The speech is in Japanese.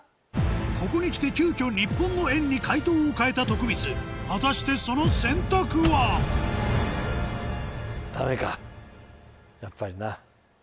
ここにきて急きょ日本の「円」に解答を変えた徳光果たしてその選択はやっぱりな。